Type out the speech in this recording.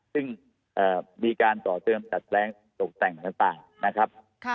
ซึ่งมีการต่อเติมดัดแปลงตกแต่งต่างนะครับ